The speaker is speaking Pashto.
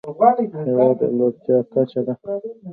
هېواد د لوړتيا کچه ده.